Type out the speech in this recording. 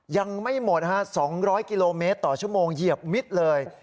ยังไม่หมดฮะ๒๐๐กิโลเมตรต่อชั่วโมงเหยียบมิดเลย